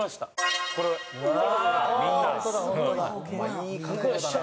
いい角度だな。